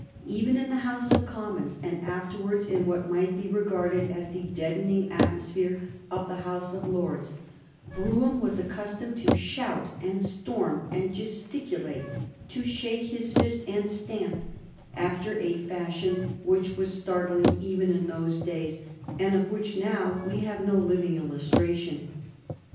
Even in the House of Commons, and afterwards in what might be regarded as the deadening atmosphere of the House of Lords, Brougham was accustomed to shout and storm and gesticulate, to shake his fist and stamp, after a fashion which was startling even in those days, and of which now we have no living illustration.